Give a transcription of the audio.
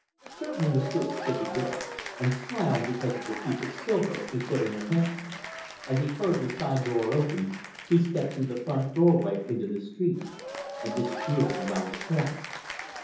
"Certainly, M'sieu'," said the girl, and smiled because of the piece of silver he put in her hand. As he heard the side door open he stepped through the front doorway into the street, and disappeared round a corner.